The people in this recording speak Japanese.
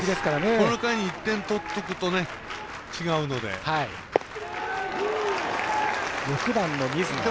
この回に１点取っておくと違うので。